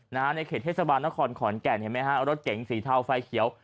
ในเขตเทศบาลนครขอนแก่นเห็นไหมฮะรถเก๋งสีเทาไฟเขียว